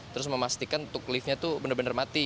terus memastikan untuk liftnya tuh bener bener mati